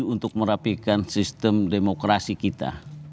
untuk merapikan sistem demokrasi kita